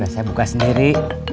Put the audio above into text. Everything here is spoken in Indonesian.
saya buka sendiri